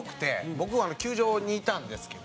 僕球場にいたんですけど。